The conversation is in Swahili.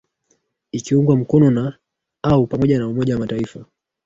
ikiungwa mkono na au pamoja na umoja wa mataifa